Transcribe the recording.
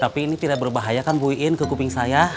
tapi ini tidak berbahaya kan buy in ke kuping saya